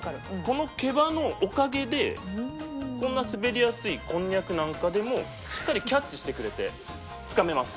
この毛羽のおかげでこんな滑りやすいこんにゃくなんかでもしっかりキャッチしてくれてつかめます。